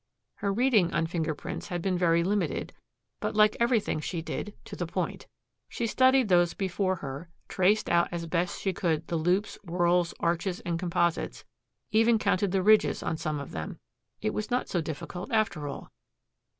Her reading on finger prints had been very limited but, like everything she did, to the point. She studied those before her, traced out as best she could the loops, whorls, arches, and composites, even counted the ridges on some of them. It was not so difficult, after all.